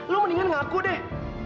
lo mendingan ngaku deh